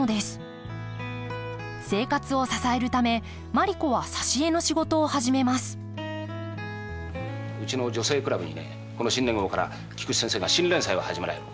生活を支えるためマリ子は挿絵の仕事を始めますうちの「女性倶楽部」にねこの新年号から菊池先生が新連載を始められる。